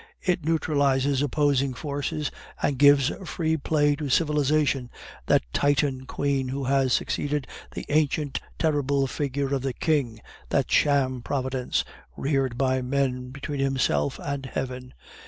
It neutralizes opposing forces and gives free play to Civilization, that Titan queen who has succeeded the ancient terrible figure of the King, that sham Providence, reared by man between himself and heaven.